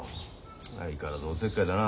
相変わらずおせっかいだな。